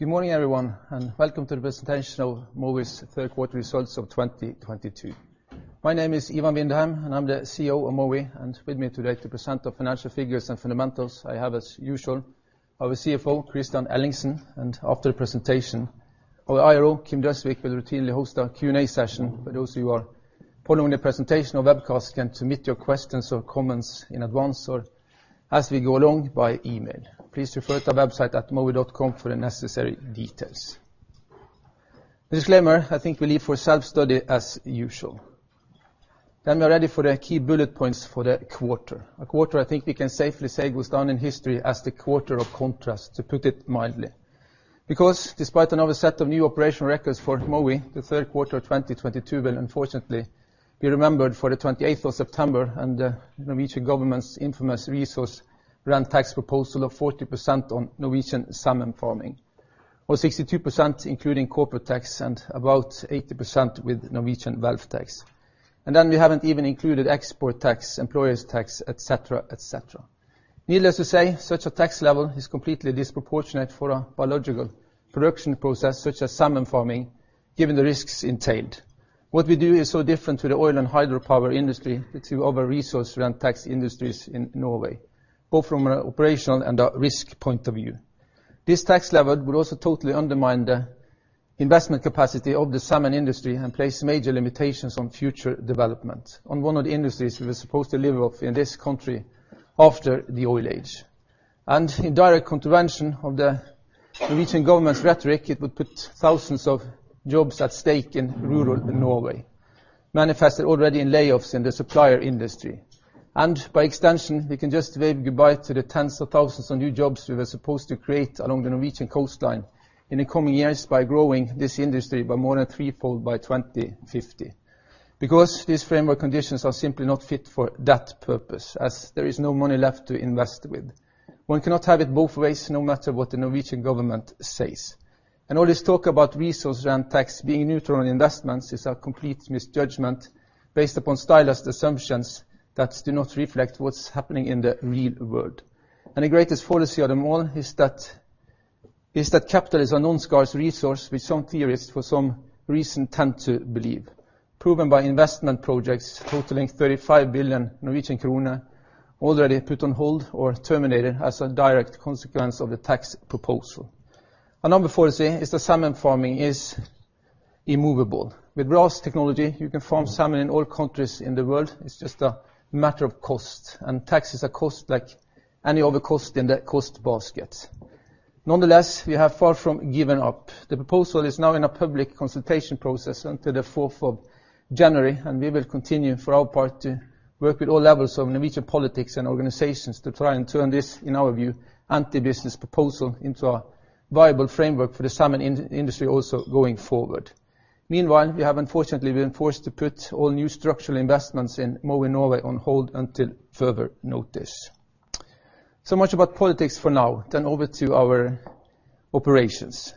Good morning, everyone, and welcome to the presentation of Mowi's third quarter results of 2022. My name is Ivan Vindheim, and I'm the CEO of Mowi. With me today to present the financial figures and fundamentals I have as usual are the CFO, Kristian Ellingsen, and after the presentation, our IRO, Kim Galtung Døsvig, will routinely host our Q&A session. For those who are following the presentation on webcast, you can submit your questions or comments in advance or as we go along by email. Please refer to our website at Mowi.com for the necessary details. Disclaimer, I think we leave for self-study as usual. We are ready for the key bullet points for the quarter. A quarter I think we can safely say goes down in history as the quarter of contrast, to put it mildly. Because despite another set of new operational records for Mowi, the third quarter of 2022 will unfortunately be remembered for the 28th of September and the Norwegian government's infamous resource rent tax proposal of 40% on Norwegian salmon farming, or 62% including corporate tax and about 80% with Norwegian wealth tax. We haven't even included export tax, employers tax, etc, etc. Needless to say, such a tax level is completely disproportionate for a biological production process such as salmon farming, given the risks entailed. What we do is so different to the oil and hydropower industry, the two other resource rent tax industries in Norway, both from an operational and a risk point of view. This tax level would also totally undermine the investment capacity of the salmon industry and place major limitations on future development on one of the industries we were supposed to live off in this country after the oil age. In direct contravention of the Norwegian government's rhetoric, it would put thousands of jobs at stake in rural Norway, manifested already in layoffs in the supplier industry. By extension, we can just wave goodbye to the tens of thousands of new jobs we were supposed to create along the Norwegian coastline in the coming years by growing this industry by more than threefold by 2050. Because these framework conditions are simply not fit for that purpose, as there is no money left to invest with. One cannot have it both ways, no matter what the Norwegian government says. All this talk about resource rent tax being neutral in investments is a complete misjudgment based upon stylized assumptions that do not reflect what's happening in the real world. The greatest fallacy of them all is that capital is a non-scarce resource, which some theorists for some reason tend to believe, proven by investment projects totaling 35 billion Norwegian kroner already put on hold or terminated as a direct consequence of the tax proposal. Another fallacy is that salmon farming is immovable. With RAS technology, you can farm salmon in all countries in the world. It's just a matter of cost, and tax is a cost like any other cost in the cost basket. Nonetheless, we have far from given up. The proposal is now in a public consultation process until the fourth of January, and we will continue for our part to work with all levels of Norwegian politics and organizations to try and turn this, in our view, anti-business proposal into a viable framework for the salmon in-industry also going forward. Meanwhile, we have unfortunately been forced to put all new structural investments in Mowi Norway on hold until further notice. So much about politics for now, then over to our operations.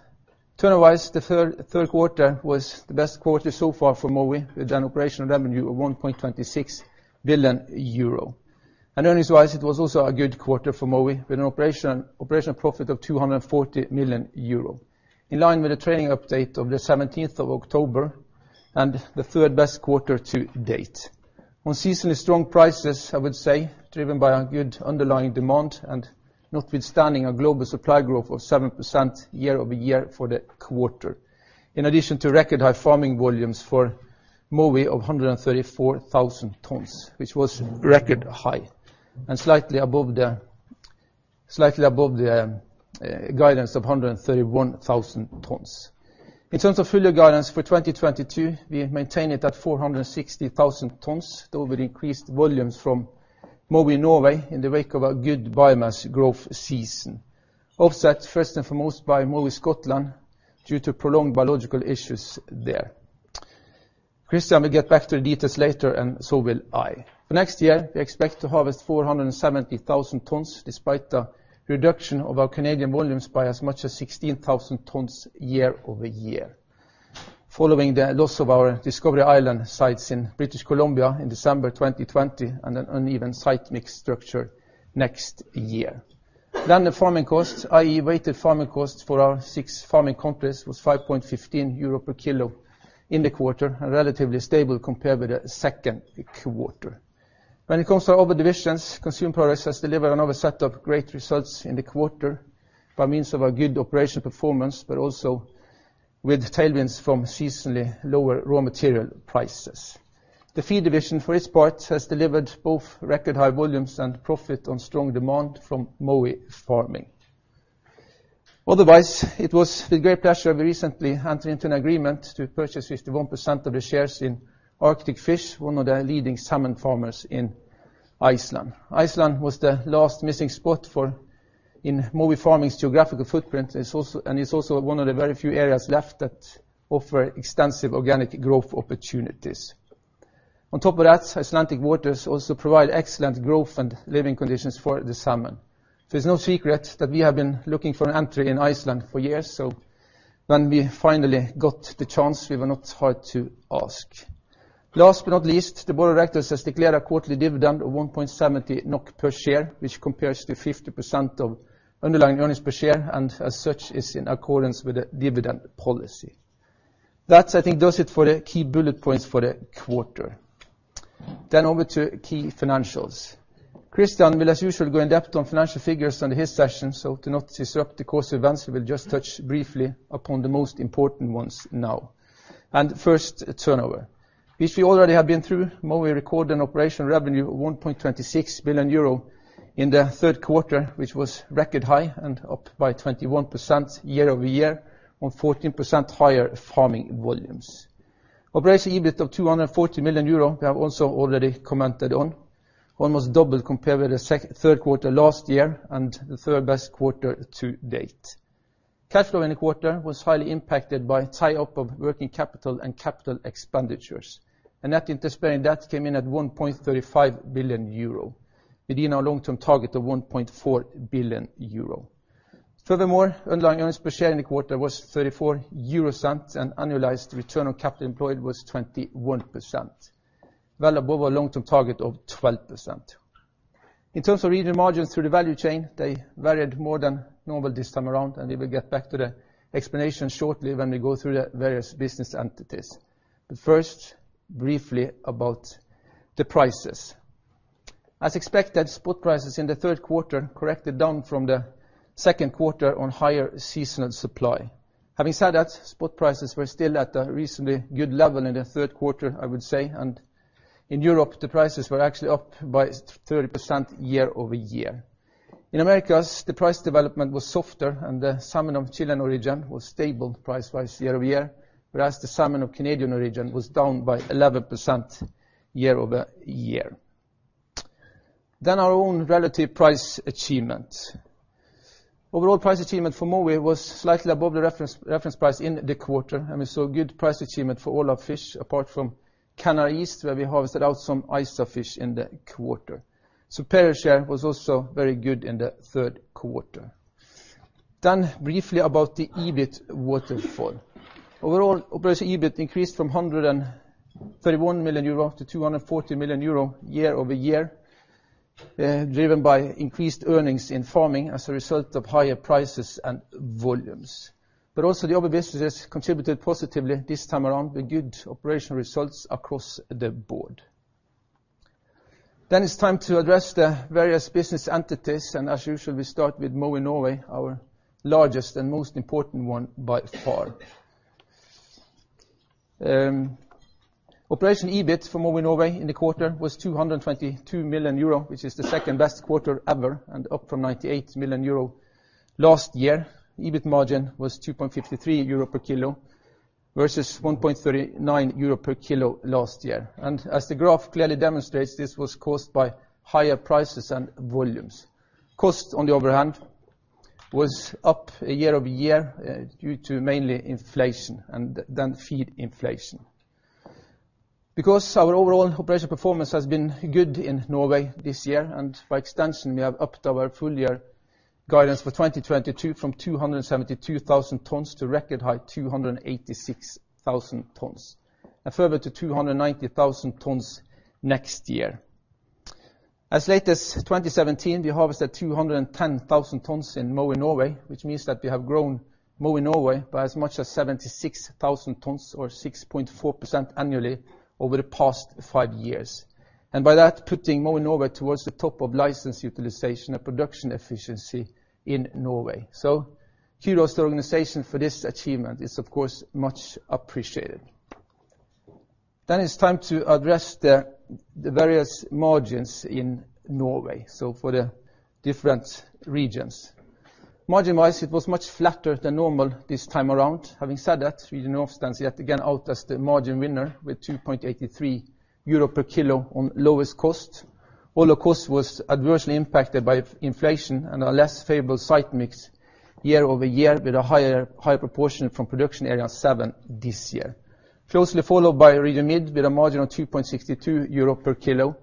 Turnover-wise, the third quarter was the best quarter so far for Mowi with an operational revenue of 1.26 billion euro. Earnings-wise, it was also a good quarter for Mowi with an operational profit of 240 million euro. In line with the training update of the 17th of October and the third-best quarter to date. On seasonally strong prices, I would say, driven by a good underlying demand and notwithstanding a global supply growth of 7% year-over-year for the quarter. In addition to record high farming volumes for Mowi of 134,000 tons, which was record high and slightly above the guidance of 131,000 tons. In terms of full year guidance for 2022, we maintain it at 460,000 tons with increased volumes from Mowi Norway in the wake of a good biomass growth season, offset first and foremost by Mowi Scotland due to prolonged biological issues there. Kristian will get back to the details later, and so will I. For next year, we expect to harvest 470,000 tons despite the reduction of our Canadian volumes by as much as 16,000 tons year-over-year following the loss of our Discovery Islands sites in British Columbia in December 2020 and an uneven site mix structure next year. The farming costs, i.e., weighted farming costs for our six farming countries was 5.15 euro per kilo in the quarter and relatively stable compared with the second quarter. When it comes to our other divisions, Consumer Products has delivered another set of great results in the quarter by means of our good operational performance, but also with tailwinds from seasonally lower raw material prices. The Feed division, for its part, has delivered both record high volumes and profit on strong demand from Mowi Farming. Otherwise, it was with great pleasure we recently entered into an agreement to purchase 51% of the shares in Arctic Fish, one of the leading salmon farmers in Iceland. Iceland was the last missing spot in Mowi Farming's geographical footprint. It's also one of the very few areas left that offer extensive organic growth opportunities. On top of that, Icelandic waters also provide excellent growth and living conditions for the salmon. It's no secret that we have been looking for an entry in Iceland for years. When we finally got the chance, we were not hard to ask. Last but not least, the board of directors has declared a quarterly dividend of 1.7 NOK per share, which compares to 50% of underlying earnings per share, and as such is in accordance with the dividend policy. That, I think, does it for the key bullet points for the quarter. Over to key financials. Kristian will, as usual, go in-depth on financial figures under his session, so to not disrupt the course of events, we'll just touch briefly upon the most important ones now. First, turnover. Which we already have been through, Mowi recorded an operational revenue of 1.26 billion euro in the third quarter, which was record high and up by 21% year-over-year on 14% higher farming volumes. Operating EBIT of 240 million euro, we have also already commented on. Almost double compared with the third quarter last year and the third-best quarter to date. Cash flow in the quarter was highly impacted by tie-up of working capital and capital expenditures. Net interest-bearing debt came in at 1.35 billion euro, within our long-term target of 1.4 billion euro. Furthermore, underlying earnings per share in the quarter was 0.34 and annualized return on capital employed was 21%, well above our long-term target of 12%. In terms of regional margins through the value chain, they varied more than normal this time around, and we will get back to the explanation shortly when we go through the various business entities. But first, briefly about the prices. As expected, spot prices in the third quarter corrected down from the second quarter on higher seasonal supply. Having said that, spot prices were still at a recently good level in the third quarter, I would say. In Europe, the prices were actually up by 30% year-over-year. In Americas, the price development was softer and the salmon of Chilean origin was stable price-wise year-over-year, whereas the salmon of Canadian origin was down by 11% year-over-year. Our own relative price achievement. Overall price achievement for Mowi was slightly above the reference price in the quarter, and we saw good price achievement for all our fish, apart from Canada East, where we harvested out some ISA fish in the quarter. Harvest share was also very good in the third quarter. Briefly about the EBIT waterfall. Overall, operating EBIT increased from 131 million-240 million euro year-over-year, driven by increased earnings in farming as a result of higher prices and volumes. Also the other businesses contributed positively this time around with good operational results across the board. It's time to address the various business entities, and as usual, we start with Mowi Norway, our largest and most important one by far. Operational EBIT for Mowi Norway in the quarter was 222 million euro, which is the second-best quarter ever, and up from 98 million euro last year. EBIT margin was 2.53 euro per kilo versus 1.39 euro per kilo last year. As the graph clearly demonstrates, this was caused by higher prices and volumes. Cost, on the other hand, was up year-over-year, due to mainly inflation and then feed inflation. Because our overall operational performance has been good in Norway this year, and by extension, we have upped our full-year guidance for 2022 from 272,000 tons to record high 286,000 tons. Further to 290,000 tons next year. As late as 2017, we harvested 210,000 tons in Mowi Norway, which means that we have grown Mowi Norway by as much as 76,000 tons or 6.4% annually over the past five years. By that, putting Mowi Norway towards the top of license utilization and production efficiency in Norway. Kudos to the organization for this achievement. It's of course, much appreciated. It's time to address the various margins in Norway, so for the different regions. Margin-wise, it was much flatter than normal this time around. Having said that, Region North stands yet again out as the margin winner with 2.83 euro per kilo on lowest cost. All the cost was adversely impacted by inflation and a less favorable site mix year-over-year with a higher proportion from Production Area 7 this year. Closely followed by Region Mid with a margin of 2.62 euro per kilo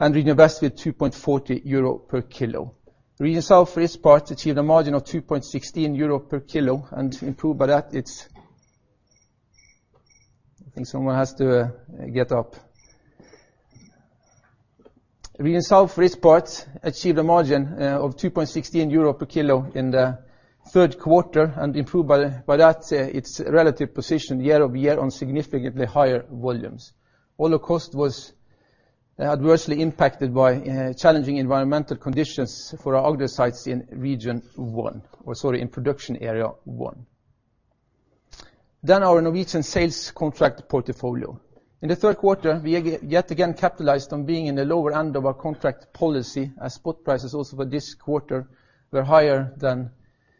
and Region West with 2.40 euro per kilo. Region South, for its part, achieved a margin of 2.16 euro per kilo in the third quarter and improved by that its relative position year-over-year on significantly higher volumes. Although cost was adversely impacted by challenging environmental conditions for our Agder sites in Region One, or sorry, in Production Area One. Our Norwegian sales contract portfolio. In the third quarter, we yet again capitalized on being in the lower end of our contract policy as spot prices also for this quarter were higher than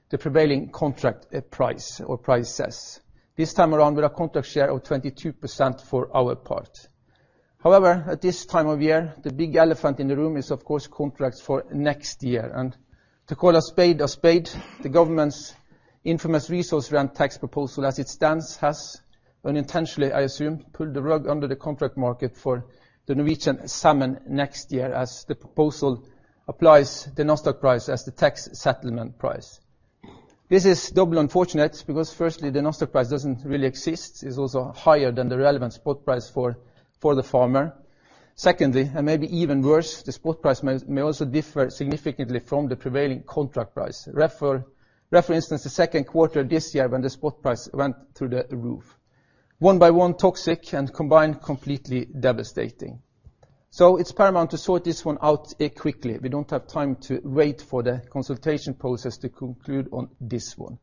the prevailing contract, price or prices. This time around with a contract share of 22% for our part. However, at this time of year, the big elephant in the room is of course contracts for next year. To call a spade a spade, the government's infamous resource rent tax proposal as it stands has, unintentionally I assume, pulled the rug under the contract market for the Norwegian salmon next year as the proposal applies the Nasdaq Salmon Index as the tax settlement price. This is double unfortunate because firstly, the Nasdaq Salmon Index doesn't really exist, it's also higher than the relevant spot price for the farmer. Secondly, and maybe even worse, the spot price may also differ significantly from the prevailing contract price. Reference the second quarter this year when the spot price went through the roof. One by one toxic and combined completely devastating. It's paramount to sort this one out quickly. We don't have time to wait for the consultation process to conclude on this one.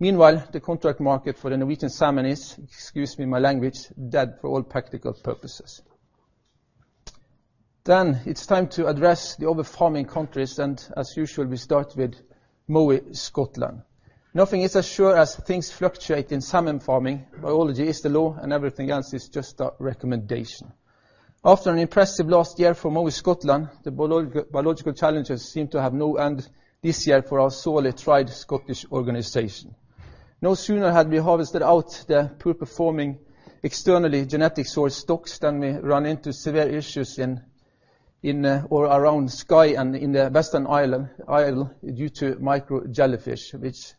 Meanwhile, the contract market for the Norwegian salmon is, excuse me, my language, dead for all practical purposes. It's time to address the other farming countries, and as usual, we start with Mowi Scotland. Nothing is as sure as things fluctuate in salmon farming, biology is the law, and everything else is just a recommendation. After an impressive last year for Mowi Scotland, the biological challenges seem to have no end this year for our wholly-owned Scottish organization. No sooner had we harvested out the poor-performing externally genetic source stocks, then we run into severe issues in or around Skye and in the Western Isles due to micro-jellyfish, which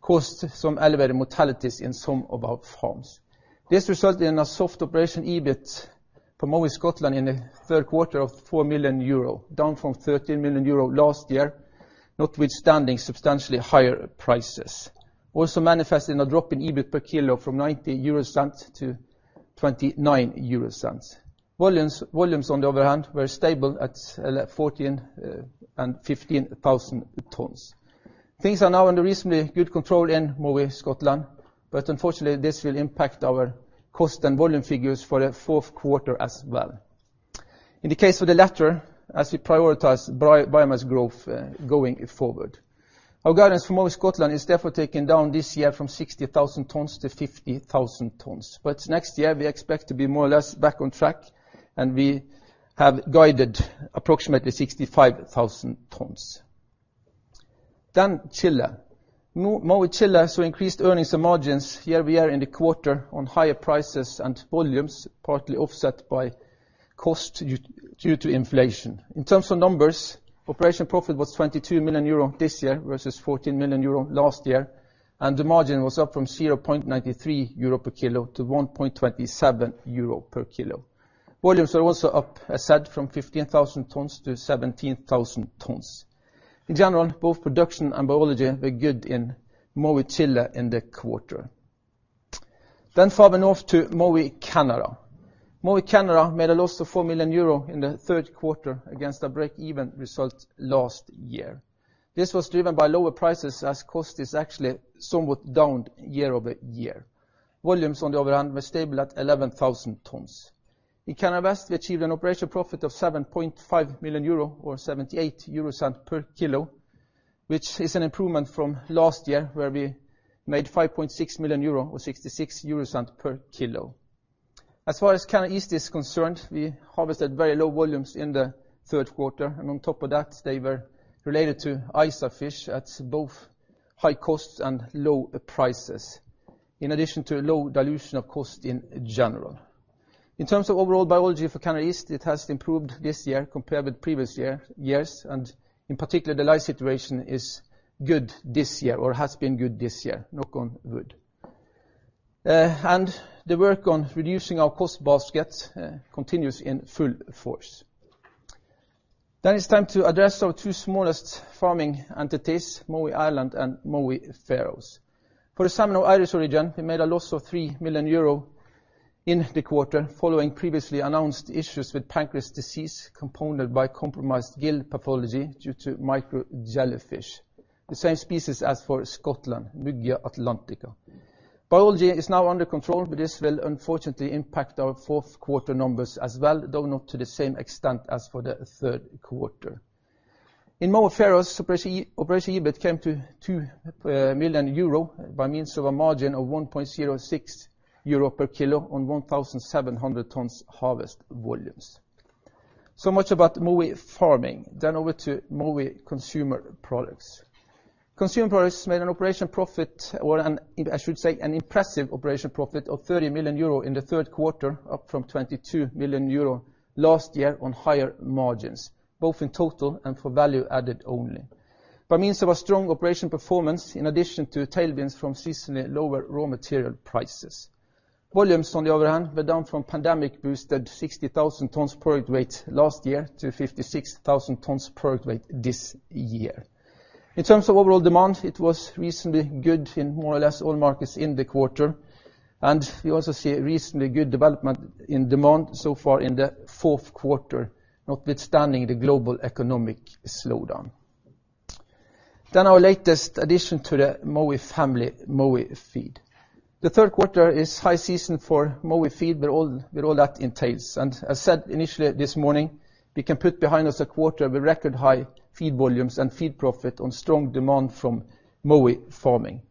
caused some elevated mortalities in some of our farms. This resulted in a soft operational EBIT from Mowi Scotland in the third quarter of 4 million euro, down from 13 million euro last year, notwithstanding substantially higher prices. Also manifested in a drop in EBIT per kilo from 0.90-0.29 euro. Volumes, on the other hand, were stable at 14,000 and 15,000 tons. Things are now under reasonably good control in Mowi Scotland, but unfortunately, this will impact our cost and volume figures for the fourth quarter as well. In the case of the latter, as we prioritize biomass growth going forward. Our guidance for Mowi Scotland is therefore taken down this year from 60,000 tons to 50,000 tons. Next year, we expect to be more or less back on track, and we have guided approximately 65,000 tons. Chile. Mowi Chile saw increased earnings and margins year-over-year in the quarter on higher prices and volumes, partly offset by cost due to inflation. In terms of numbers, operating profit was 22 million euro this year versus 14 million euro last year, and the margin was up from 0.93 euro per kilo-1.27 EUR per kilo. Volumes are also up, as said, from 15,000 tons-17,000 tons. In general, both production and biology were good in Mowi Chile in the quarter. Further north to Mowi Canada. Mowi Canada made a loss of 4 million euro in the third quarter against a break-even result last year. This was driven by lower prices as cost is actually somewhat down year-over-year. Volumes, on the other hand, were stable at 11,000 tons. In Canada West, we achieved an operational profit of 7.5 million euro or 0.78 per kilo, which is an improvement from last year, where we made 5.6 million euro or 0.66 per kilo. As far as Canada East is concerned, we harvested very low volumes in the third quarter, and on top of that, they were related to ISA fish at both high costs and low prices, in addition to low dilution of cost in general. In terms of overall biology for Canada East, it has improved this year compared with previous years, and in particular, the lice situation is good this year or has been good this year. Knock on wood. The work on reducing our cost basket continues in full force. It's time to address our two smallest farming entities, Mowi Ireland and Mowi Faroes. For the salmon of Irish origin, we made a loss of 3 million euro in the quarter following previously announced issues with pancreas disease compounded by compromised gill pathology due to micro jellyfish. The same species as for Scotland, Muggiaea atlantica. Biology is now under control, but this will unfortunately impact our fourth quarter numbers as well, though not to the same extent as for the third quarter. In Mowi Faroes, operational EBIT came to 2 million euro with a margin of 1.06 euro per kilo on 1,700 tons harvest volumes. So much about Mowi Farming. Over to Mowi Consumer Products. Consumer products made an operational profit, I should say, an impressive operational profit of 30 million euro in the third quarter, up from 22 million euro last year on higher margins, both in total and for value added only. By means of a strong operational performance, in addition to tailwinds from seasonally lower raw material prices. Volumes, on the other hand, were down from pandemic-boosted 60,000 tons product weight last year to 56,000 tons product weight this year. In terms of overall demand, it was reasonably good in more or less all markets in the quarter. We also see reasonably good development in demand so far in the fourth quarter, notwithstanding the global economic slowdown. Our latest addition to the Mowi family, Mowi Feed. The third quarter is high season for Mowi Feed with all that entails. As said initially this morning, we can put behind us a quarter with record high feed volumes and feed profit on strong demand from Mowi farming.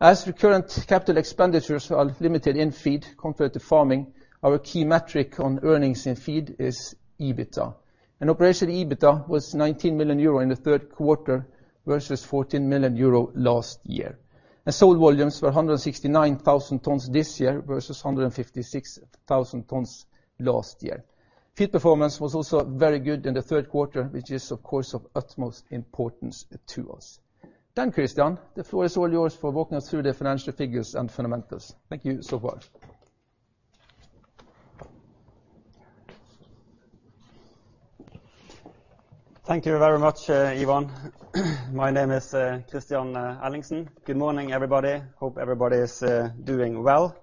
As recurrent capital expenditures are limited in Feed compared to farming, our key metric on earnings in Feed is EBITDA. Operating EBITDA was 19 million euro in the third quarter versus 14 million euro last year. Sold volumes were 169,000 tons this year versus 156,000 tons last year. Feed performance was also very good in the third quarter, which is, of course, of utmost importance to us. Kristian, the floor is all yours for walking us through the financial figures and fundamentals. Thank you so far. Thank you very much, Ivan. My name is Kristian Ellingsen. Good morning, everybody. Hope everybody is doing well.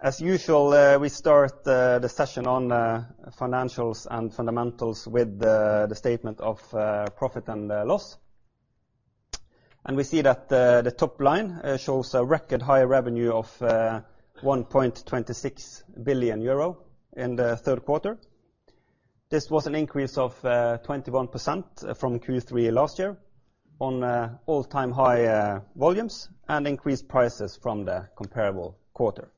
As usual, we start the session on financials and fundamentals with the statement of profit and loss. We see that the top line shows a record high revenue of 1.26 billion euro in the third quarter. This was an increase of 21% from Q3 last year on all-time high volumes and increased prices from the comparable quarter.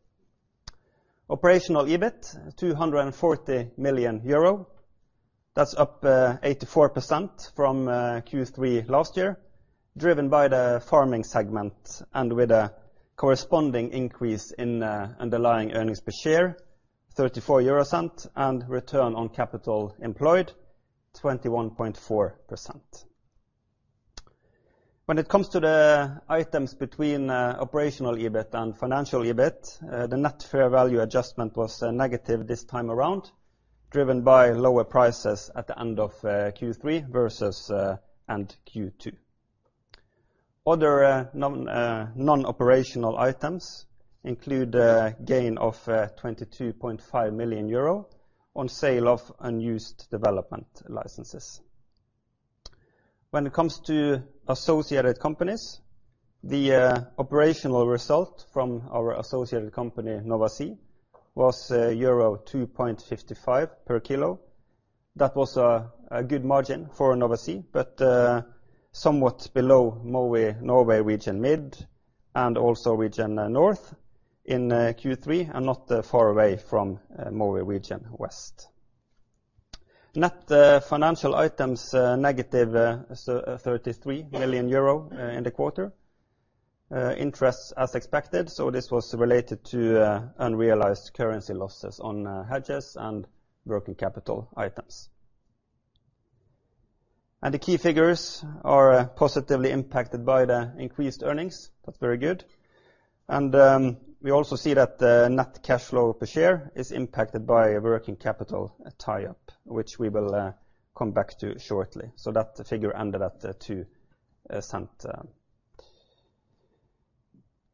Operational EBIT, 240 million euro. That's up 84% from Q3 last year, driven by the farming segment and with a corresponding increase in underlying earnings per share, 34 euro cents, and return on capital employed, 21.4%. When it comes to the items between operational EBIT and financial EBIT, the net fair value adjustment was negative this time around, driven by lower prices at the end of Q3 versus end Q2. Other non-operational items include a gain of 22.5 million euro on sale of unused development licenses. When it comes to associated companies, the operational result from our associated company, Nova Sea, was euro 2.55 per kilo. That was a good margin for Nova Sea, but somewhat below Mowi Norway region mid and also region North in Q3 and not far away from Mowi region West. Net financial items negative 33 million euro in the quarter. Interest as expected, so this was related to unrealized currency losses on hedges and working capital items. The key figures are positively impacted by the increased earnings. That's very good. We also see that the net cash flow per share is impacted by working capital tie-up, which we will come back to shortly. That figure ended at 0.02.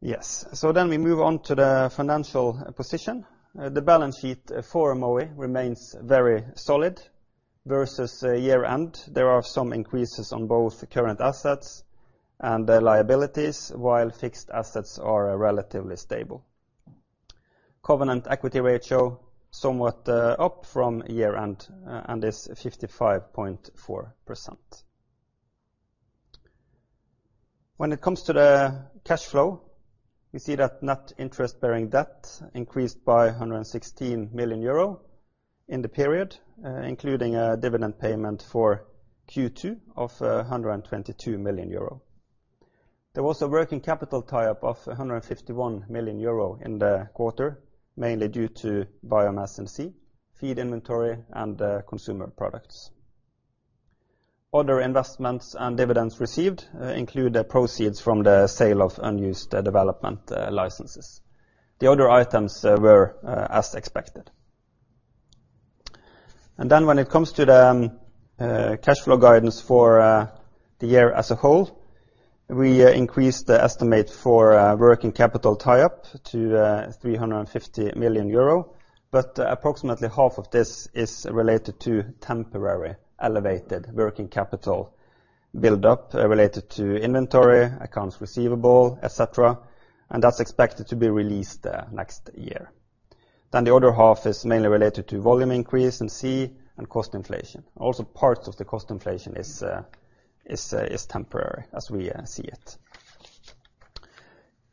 Yes. We move on to the financial position. The balance sheet for Mowi remains very solid versus year-end. There are some increases on both current assets and liabilities, while fixed assets are relatively stable. Covenant equity ratio somewhat up from year-end and is 55.4%. When it comes to the cash flow, we see that net interest-bearing debt increased by 116 million euro in the period, including a dividend payment for Q2 of 122 million euro. There was a working capital tie-up of 151 million euro in the quarter, mainly due to biomass and sea, feed inventory, and consumer products. Other investments and dividends received include the proceeds from the sale of unused development licenses. The other items were as expected. When it comes to the cash flow guidance for the year as a whole, we increase the estimate for working capital tie-up to 350 million euro, but approximately half of this is related to temporary elevated working capital build-up related to inventory, accounts receivable, et cetera, and that's expected to be released next year. The other half is mainly related to volume increase in sea and cost inflation. Also, parts of the cost inflation is temporary as we see it.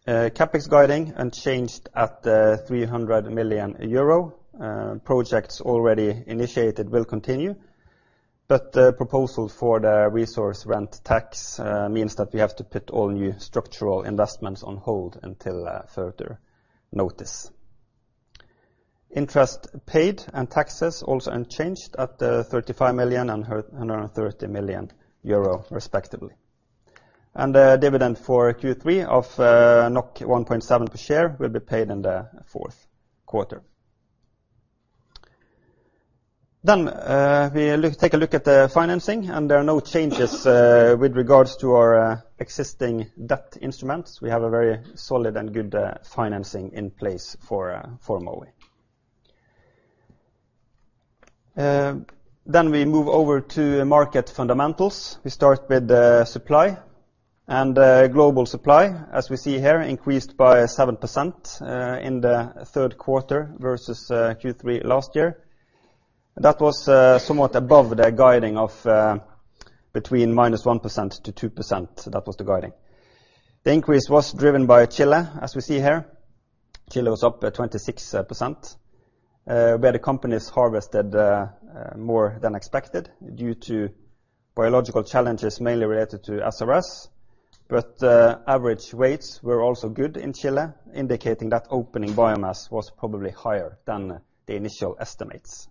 CapEx guiding unchanged at 300 million euro. Projects already initiated will continue, but the proposal for the resource rent tax means that we have to put all new structural investments on hold until further notice. Interest paid and taxes also unchanged at 35 million and 130 million euro respectively. The dividend for Q3 of 1.7 per share will be paid in the fourth quarter. Take a look at the financing, and there are no changes with regards to our existing debt instruments. We have a very solid and good financing in place for Mowi. We move over to market fundamentals. We start with the supply. Global supply, as we see here, increased by 7% in the third quarter versus Q3 last year. That was somewhat above the guiding of between -1% to 2%. That was the guiding. The increase was driven by Chile, as we see here. Chile was up by 26%, where the company harvested more than expected due to biological challenges mainly related to SRS. Average rates were also good in Chile, indicating that opening biomass was probably higher than the initial estimates.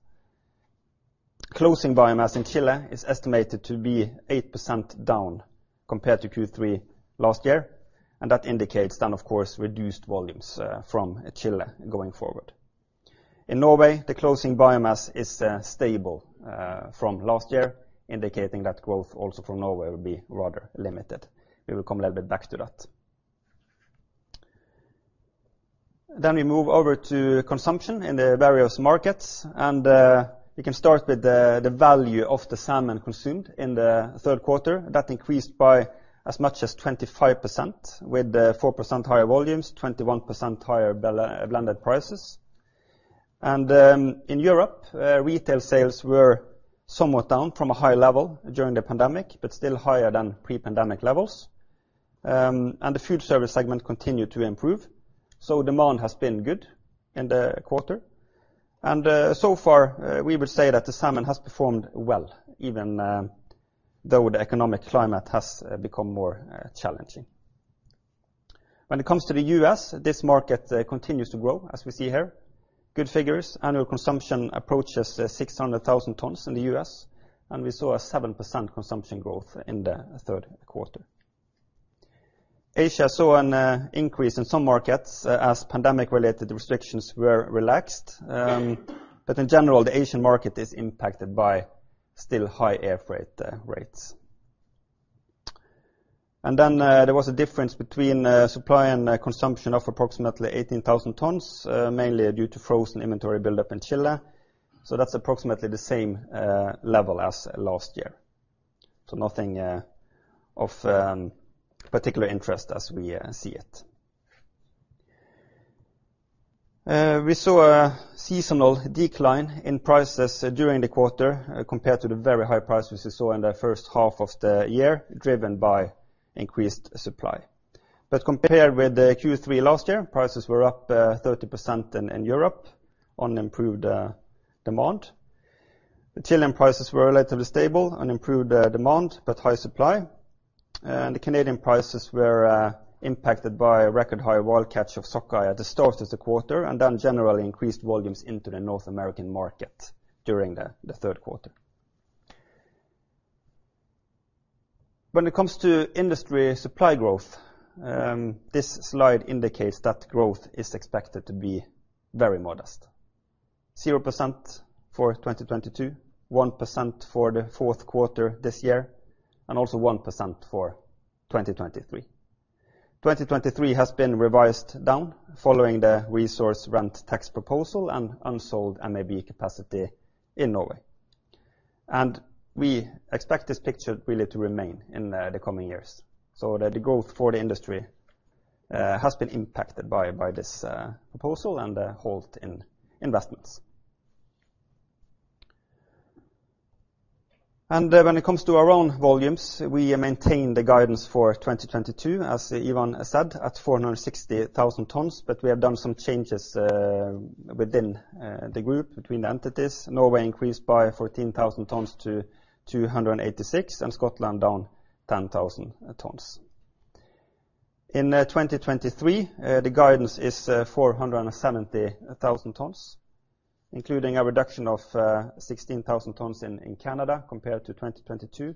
Closing biomass in Chile is estimated to be 8% down compared to Q3 last year, and that indicates, of course, reduced volumes from Chile going forward. In Norway, the closing biomass is stable from last year, indicating that growth also from Norway will be rather limited. We will come a little bit back to that. We move over to consumption in the various markets, and we can start with the value of the salmon consumed in the third quarter. That increased by as much as 25% with 4% higher volumes, 21% higher blended prices. In Europe, retail sales were somewhat down from a high level during the pandemic, but still higher than pre-pandemic levels. The food service segment continued to improve. Demand has been good in the quarter. So far, we will say that the salmon has performed well, even though the economic climate has become more challenging. When it comes to the U.S., this market continues to grow, as we see here. Good figures. Annual consumption approaches 600,000 tons in the U.S., and we saw a 7% consumption growth in the third quarter. Asia saw an increase in some markets as pandemic-related restrictions were relaxed. But in general, the Asian market is impacted by still high air freight rates. There was a difference between supply and consumption of approximately 18,000 tons, mainly due to frozen inventory buildup in Chile. That's approximately the same level as last year. Nothing of particular interest as we see it. We saw a seasonal decline in prices during the quarter compared to the very high prices we saw in the first half of the year, driven by increased supply. Compared with the Q3 last year, prices were up 30% in Europe on improved demand. The Chilean prices were relatively stable on improved demand, but high supply. The Canadian prices were impacted by record high wild catch of sockeye at the start of the quarter, and then generally increased volumes into the North American market during the third quarter. When it comes to industry supply growth, this slide indicates that growth is expected to be very modest. 0% for 2022, 1% for the fourth quarter this year, and also 1% for 2023. 2023 has been revised down following the resource rent tax proposal and unsold MAB capacity in Norway. We expect this picture really to remain in the coming years. The growth for the industry has been impacted by this proposal and the halt in investments. When it comes to our own volumes, we maintain the guidance for 2022, as Ivan said, at 460,000 tons, but we have done some changes within the group between the entities. Norway increased by 14,000 tons-286,000, and Scotland down 10,000 tons. In 2023, the guidance is 470,000 tons, including a reduction of 16,000 tons in Canada compared to 2022.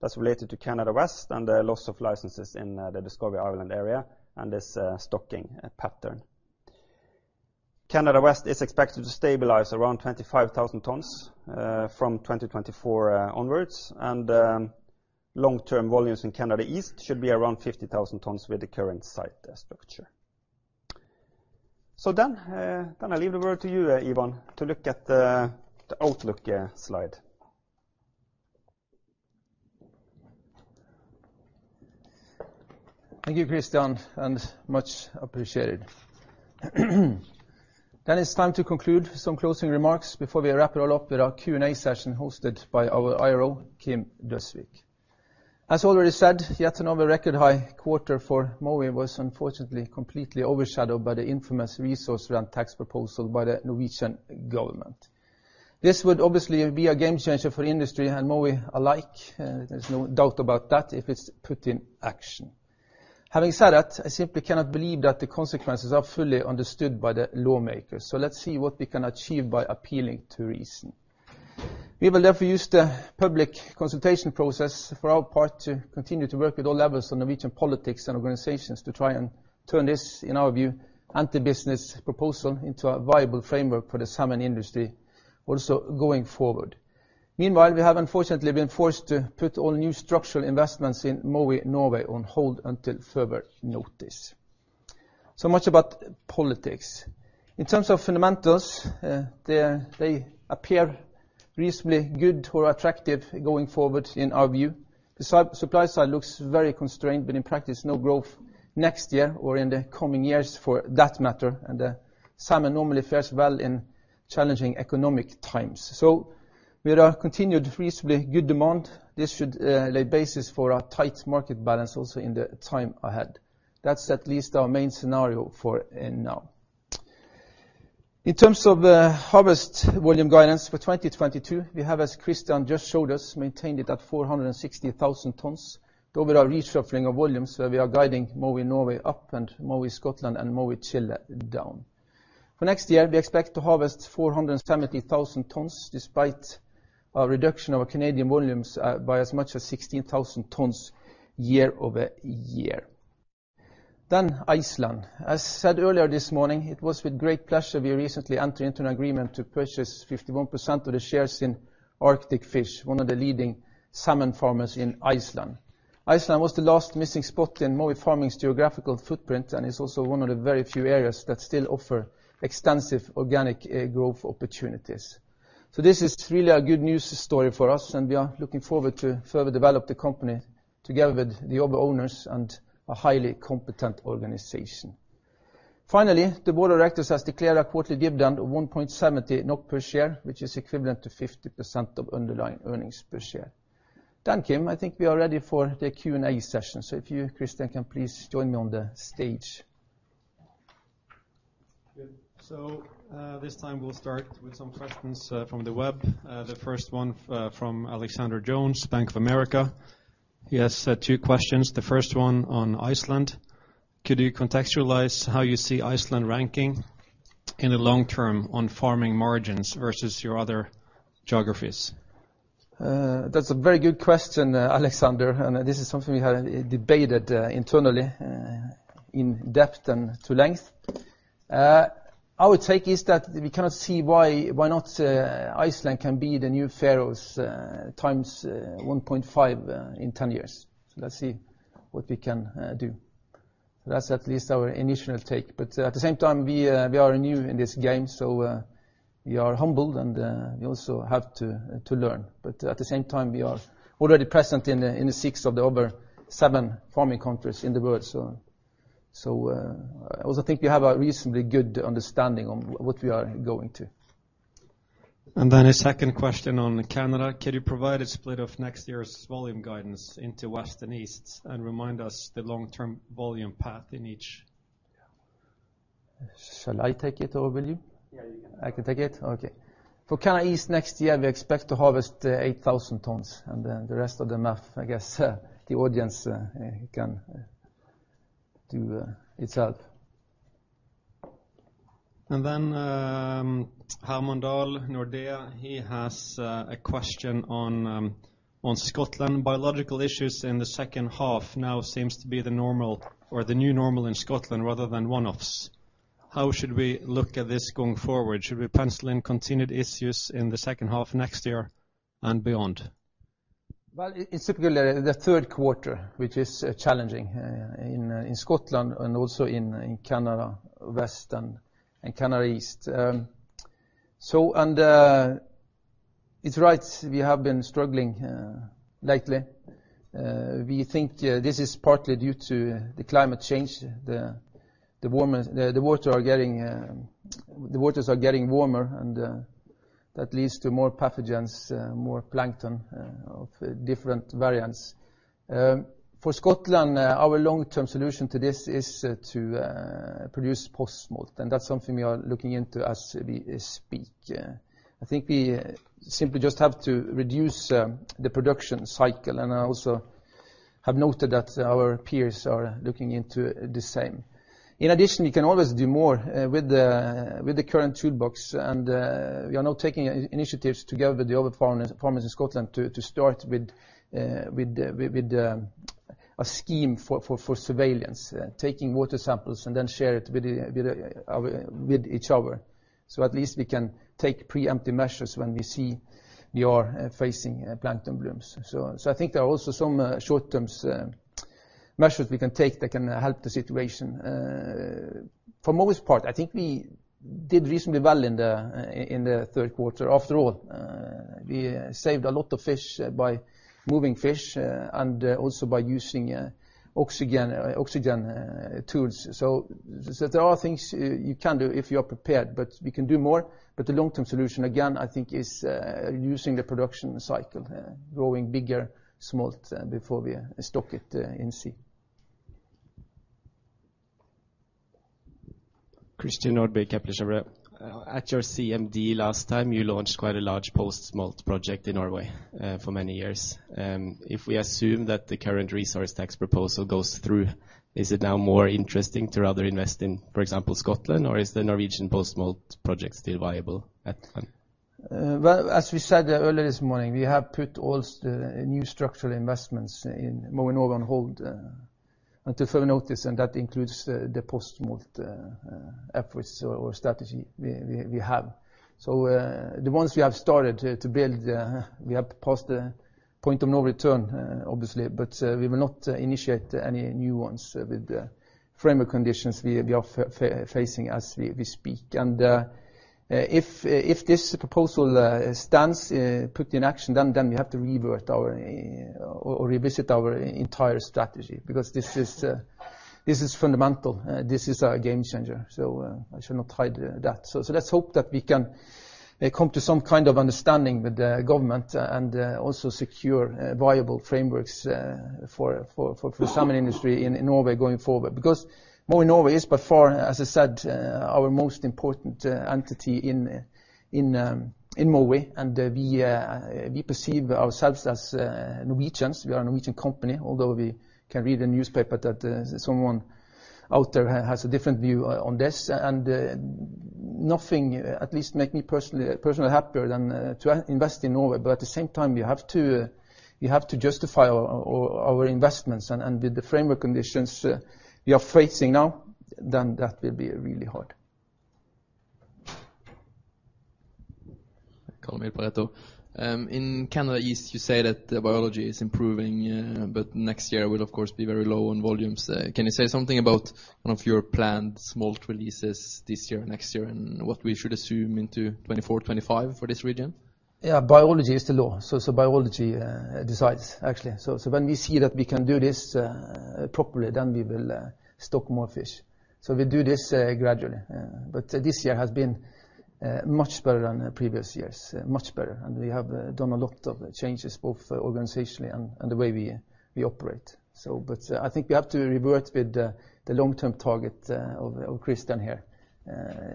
That's related to Canada West and the loss of licenses in the Discovery Island area and this stocking pattern. Canada West is expected to stabilize around 25,000 tons from 2024 onwards. Long-term volumes in Canada East should be around 50,000 tons with the current site structure. I leave the word to you, Ivan, to look at the outlook slide. Thank you, Kristian, and much appreciated. It's time to conclude some closing remarks before we wrap it all up with our Q&A session hosted by our IRO, Kim Galtung Døsvig. As already said, yet another record high quarter for Mowi was unfortunately completely overshadowed by the infamous resource rent tax proposal by the Norwegian government. This would obviously be a game changer for industry and Mowi alike. There's no doubt about that if it's put in action. Having said that, I simply cannot believe that the consequences are fully understood by the lawmakers. Let's see what we can achieve by appealing to reason. We will therefore use the public consultation process for our part to continue to work with all levels of Norwegian politics and organizations to try and turn this, in our view, anti-business proposal into a viable framework for the salmon industry also going forward. Meanwhile, we have unfortunately been forced to put all new structural investments in Mowi Norway on hold until further notice. Much about politics. In terms of fundamentals, they appear reasonably good or attractive going forward in our view. The supply side looks very constrained, but in practice, no growth next year or in the coming years for that matter, and salmon normally fares well in challenging economic times. With our continued reasonably good demand, this should lay basis for a tight market balance also in the time ahead. That's at least our main scenario for now. In terms of the harvest volume guidance for 2022, we have, as Kristian just showed us, maintained it at 460,000 tons. Though with our reshuffling of volumes, where we are guiding Mowi Norway up and Mowi Scotland and Mowi Chile down. For next year, we expect to harvest 470,000 tons despite a reduction of our Canadian volumes by as much as 16,000 tons year-over-year. Iceland. As said earlier this morning, it was with great pleasure we recently entered into an agreement to purchase 51% of the shares in Arctic Fish, one of the leading salmon farmers in Iceland. Iceland was the last missing spot in Mowi Farming's geographical footprint, and it's also one of the very few areas that still offer extensive organic growth opportunities. This is really a good news story for us, and we are looking forward to further develop the company together with the other owners and a highly competent organization. Finally, the board of directors has declared a quarterly dividend of 1.70 NOK per share, which is equivalent to 50% of underlying earnings per share. Thank you. I think we are ready for the Q&A session. If you, Kristian, can please join me on the stage. Good. This time we'll start with some questions from the web. The first one from Alexander Jones, Bank of America. He has two questions, the first one on Iceland. Could you contextualize how you see Iceland ranking in the long term on farming margins versus your other geographies? That's a very good question, Alexander, and this is something we have debated internally in depth and at length. Our take is that we cannot see why not Iceland can be the new Faroes times 1.5 in 10 years. Let's see what we can do. That's at least our initial take. At the same time, we are new in this game, so we are humbled, and we also have to learn. At the same time, we are already present in the six of the other seven farming countries in the world. I also think we have a reasonably good understanding on what we are going to. A second question on Canada. Could you provide a split of next year's volume guidance into West and East and remind us the long-term volume path in each? Shall I take it or will you? Yeah, you can take it. I can take it? Okay. For Canada East next year, we expect to harvest 8,000 tons and then the rest of the math, I guess, the audience can do itself. Herman Aleksander Dahl, Nordea, he has a question on Scotland. Biological issues in the second half now seems to be the normal or the new normal in Scotland rather than one-offs. How should we look at this going forward? Should we pencil in continued issues in the second half next year and beyond? Well, it's typically the third quarter which is challenging in Scotland and also in Canada West and Canada East. We have been struggling lately. We think this is partly due to the climate change, the waters are getting warmer and that leads to more pathogens, more plankton of different variants. For Scotland, our long-term solution to this is to produce post-smolt, and that's something we are looking into as we speak. I think we simply just have to reduce the production cycle, and I also have noted that our peers are looking into the same. In addition, you can always do more with the current toolbox, and we are now taking initiatives together with the other farmers in Scotland to start with a scheme for surveillance, taking water samples and then share it with each other. At least we can take preemptive measures when we see we are facing plankton blooms. I think there are also some short-term measures we can take that can help the situation. For the most part, I think we did reasonably well in the third quarter. After all, we saved a lot of fish by moving fish and also by using oxygen tools. There are things you can do if you are prepared, but we can do more. The long-term solution, again, I think, is using the production cycle, growing bigger smolt before we stock it in sea. Christian Olsen Nordby, Kepler Cheuvreux. At your CMD last time, you launched quite a large post-smolt project in Norway for many years. If we assume that the current resource rent tax proposal goes through, is it now more interesting to rather invest in, for example, Scotland, or is the Norwegian post-smolt project still viable at the time? Well, as we said earlier this morning, we have put all the new structural investments in Mowi Norway on hold until further notice, and that includes the post-smolt efforts or strategy we have. The ones we have started to build, we have passed the point of no return, obviously, but we will not initiate any new ones with the framework conditions we are facing as we speak. If this proposal stands, put in action, then we have to revisit our entire strategy because this is fundamental. This is a game changer, so I should not hide that. Let's hope that they come to some kind of understanding with the government and also secure viable frameworks for the salmon industry in Norway going forward. Because Mowi Norway is by far, as I said, our most important entity in Mowi and we perceive ourselves as Norwegians. We are a Norwegian company, although we can read in the newspaper that someone out there has a different view on this. Nothing at least make me personally happier than to invest in Norway. At the same time, we have to justify our investments. With the framework conditions we are facing now, that will be really hard. Carl Baretto. In Canada East, you say that the biology is improving, but next year will of course be very low on volumes. Can you say something about one of your planned smolt releases this year or next year, and what we should assume into 2024, 2025 for this region? Yeah. Biology is the law. Biology decides, actually. When we see that we can do this properly, then we will stock more fish. We do this gradually. This year has been much better than previous years, much better. We have done a lot of changes, both organizationally and the way we operate. I think we have to revert with the long-term target of Kristian here.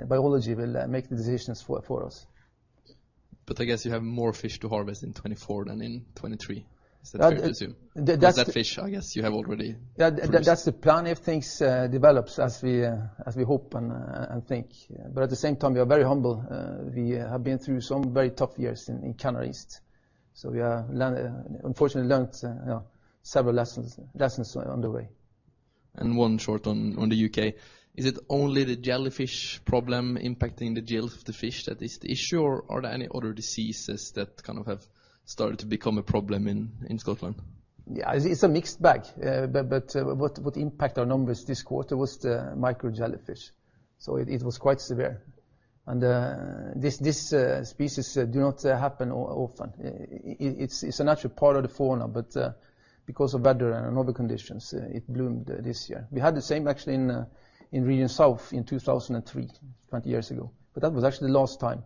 Biology will make the decisions for us. I guess you have more fish to harvest in 2024 than in 2023. Is that fair to assume? That, that- Because that fish, I guess, you have already produced. That's the plan if things develops as we hope and think. At the same time, we are very humble. We have been through some very tough years in Canada East. We have learned, unfortunately learned, you know, several lessons on the way. One short on the U.K. Is it only the jellyfish problem impacting the gill of the fish that is the issue, or are there any other diseases that kind of have started to become a problem in Scotland? Yeah, it's a mixed bag. What impacted our numbers this quarter was the micro-jellyfish. It was quite severe. This species do not happen often. It's a natural part of the fauna, but because of weather and other conditions, it bloomed this year. We had the same actually in Region South in 2003, 20 years ago, but that was actually the last time.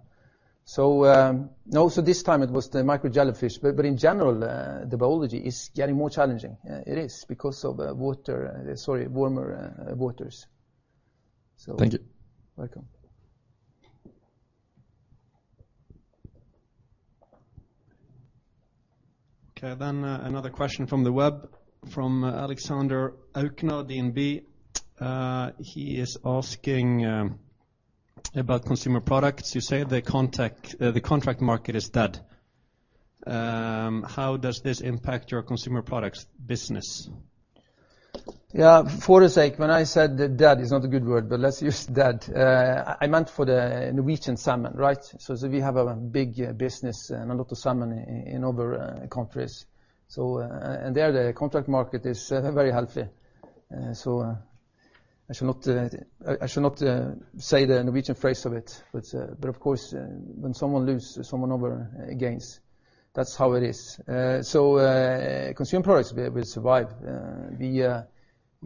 Also this time it was the micro-jellyfish. In general, the biology is getting more challenging. It is. Because of warmer waters. Thank you. Welcome. Okay. Another question from the web, from Alexander Aukner, DNB. He is asking about consumer products. You say the contract market is dead. How does this impact your consumer products business? Yeah. For his sake, when I said dead is not a good word, but let's use dead. I meant for the Norwegian salmon, right? We have a big business and a lot of salmon in other countries. The contract market is very healthy there. I should not say the Norwegian phrase of it, but of course, when someone loses, someone else gains. That's how it is. Consumer products will survive. We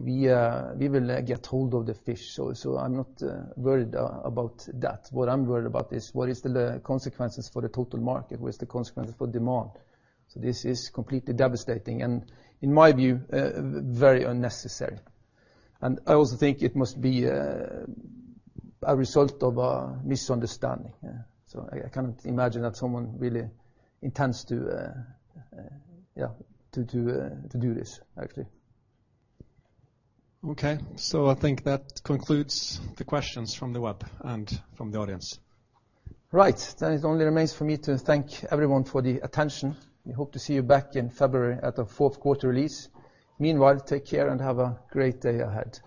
will get hold of the fish, so I'm not worried about that. What I'm worried about is what are the consequences for the total market? What are the consequences for demand? This is completely devastating and, in my view, very unnecessary. I also think it must be a result of a misunderstanding. I can't imagine that someone really intends to do this, actually. Okay. I think that concludes the questions from the web and from the audience. Right. It only remains for me to thank everyone for the attention. We hope to see you back in February at the fourth quarter release. Meanwhile, take care and have a great day ahead.